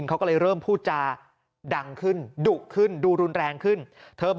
ขอบคุณครับ